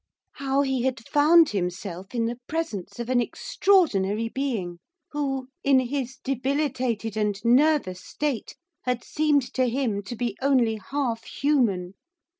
How he had found himself in the presence of an extraordinary being, who, in his debilitated and nervous state, had seemed to him to be only half human.